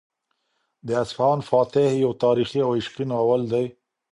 د اصفهان فاتح یو تاریخي او عشقي ناول دی.